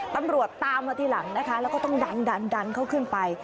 ตำรวจตามมาทีหลังนะคะแล้วก็ต้องดันดันเขาขึ้นไป